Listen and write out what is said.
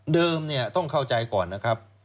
ต้องเข้าใจก่อนนะครับ